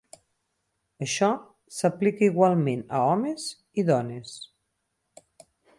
Això s'aplica igualment a homes i dones.